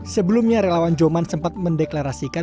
sebelumnya relawan joman sempat mendeklarasikan